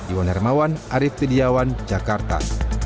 iwan hermawan arief tidiawan jakarta